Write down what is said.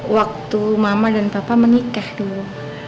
waktu mama dan papa menikah dulu